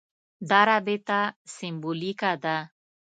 دا رابطه سېمبولیکه ده.